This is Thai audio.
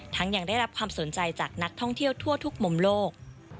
ยังได้รับความสนใจจากนักท่องเที่ยวทั่วทุกมุมโลก